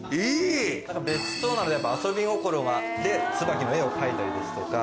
別荘なので遊び心があって椿の絵を描いたりですとか。